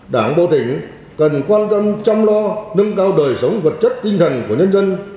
đảng bộ tỉnh cần quan tâm chăm lo nâng cao đời sống vật chất tinh thần của nhân dân